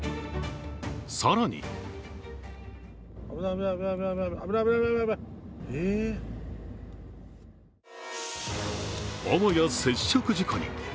更にあわや接触事故に。